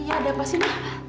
iya ada apa sih